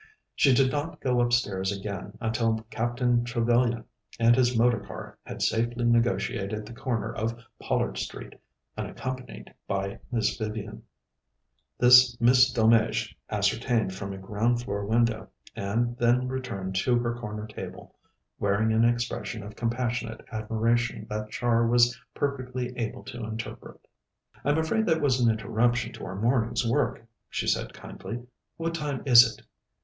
She did not go upstairs again until Captain Trevellyan and his motor car had safely negotiated the corner of Pollard Street, unaccompanied by Miss Vivian. This Miss Delmege ascertained from a ground floor window, and then returned to her corner table, wearing an expression of compassionate admiration that Char was perfectly able to interpret. "I'm afraid that was an interruption to our morning's work," she said kindly. "What time is it?"